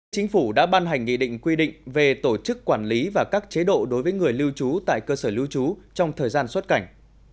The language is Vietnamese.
chính phủ đã ban hành nghị định quy định về tổ chức quản lý và các chế độ đối với người lưu trú tại cơ sở lưu trú trong thời gian xuất cảnh